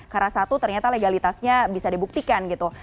karena satu ternyata legalitasnya bisa dibuktikan gitu